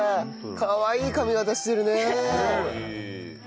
かわいい髪形してるね。